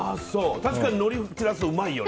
確かにのり散らすとうまいよね。